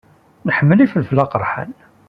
Nḥemmel ifelfel aqerḥan.